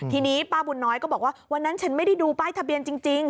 ทีนี้ป้าบุญน้อยก็บอกว่าวันนั้นฉันไม่ได้ดูป้ายทะเบียนจริง